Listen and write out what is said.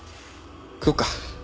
食おっか。